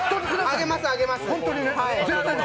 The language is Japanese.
あげます、あげます。